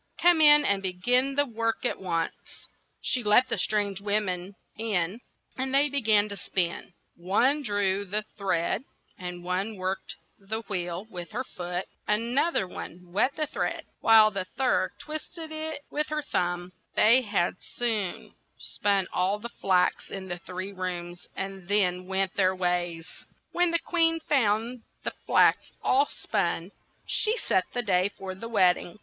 "Come in and be gin the work at once." She let the strange wom en in, and they be gan to spin. One drew the thread and worked the wheel with her foot, an oth er wet the thread, while the third twist ed it with her 60 THE THREE SPINNERS WHY HAVE YOU SO BROAD A FOOT?' thumb. They had soon spun all the flax in the three rooms, and then went their ways. When the queen found the flax all spun, she set the day for the wed ding.